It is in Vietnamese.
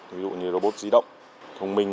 ví dụ như robot di động thông minh